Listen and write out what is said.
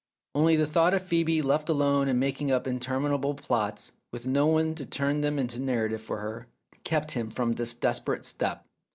Only the thought of Phcebe left alone and making up interminable plots, with no one to turn them into narrative for her, kept him from this desperate step.